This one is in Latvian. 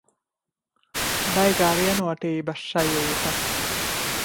Baigā vienotības sajūta.